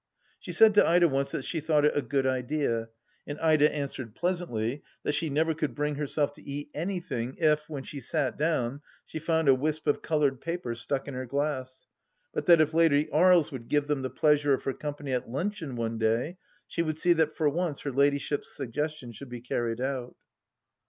She said to Ida once that she thought it a good idea, and Ida answered pleasantly that she never could bring herself to eat anything if, when she sat down, she found a wisp of coloured paper stuck in her glass, but that if Lady Aries would give them the pleasure of her company at luncheon one day, she would see that for once her ladyship's suggestion should be carried out.